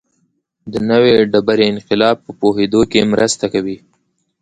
د نوې ډبرې انقلاب په پوهېدو کې مرسته کوي.